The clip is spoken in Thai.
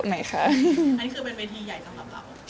นั่นคือเป็นเวทีใหญ่สำหรับเรา